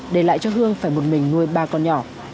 để lại cho hương phải một mình nuôi ba con nhỏ